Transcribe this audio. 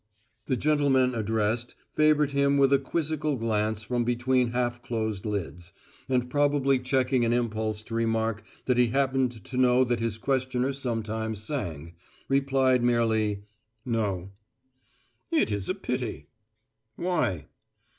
The gentleman addressed favoured him with a quizzical glance from between half closed lids, and probably checking an impulse to remark that he happened to know that his questioner sometimes sang, replied merely, "No." "It is a pity." "Why?"